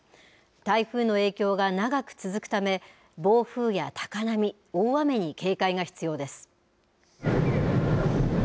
台風の影響が長く続くため、暴風や高波、大雨に警戒が必要です。